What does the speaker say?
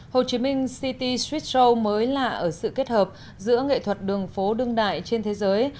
hồ chí minh city street show mới là ở sự kết hợp giữa nghệ thuật đường phố đương đại trên thế giới